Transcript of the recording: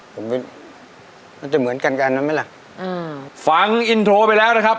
ผมมันจะเหมือนกันกับอันนั้นไหมล่ะอืมฟังอินโทรไปแล้วนะครับ